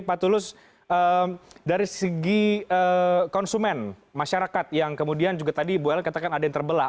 pak tulus dari segi konsumen masyarakat yang kemudian juga tadi bu ellen katakan ada yang terbelah